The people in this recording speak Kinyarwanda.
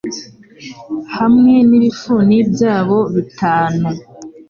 hamwe nibifuni byabo bitanu